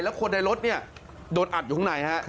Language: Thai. แล้วคนในรถเนี่ยโดนอัดอยู่ข้างในฮะ